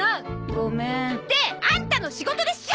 ごめんってアンタの仕事でしょ！